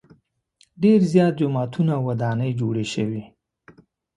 ډېر زیات جوماتونه او ودانۍ جوړې شوې.